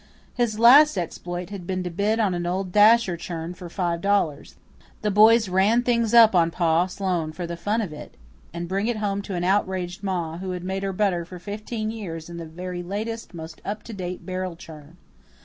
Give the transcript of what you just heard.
His last exploit had been to bid on an old dasher churn for five dollars the boys "ran things up" on Pa Sloane for the fun of it and bring it home to outraged Ma, who had made her butter for fifteen years in the very latest, most up to date barrel churn.